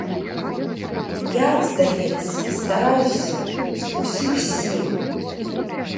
Я, здаецца, стараюся з усіх сіл.